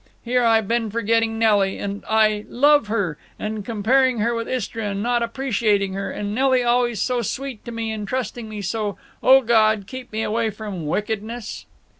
Here I been forgetting Nelly (and I love her) and comparing her with Istra and not appreciating her, and Nelly always so sweet to me and trusting me so—O God, keep me away from wickedness!"